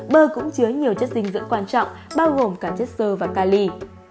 bơ cũng chứa nhiều chất dinh dưỡng quan trọng bao gồm cả chất sơ và cali